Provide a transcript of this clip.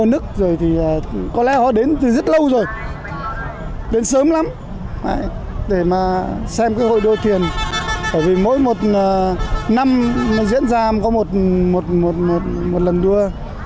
năm diễn ra có một lần đua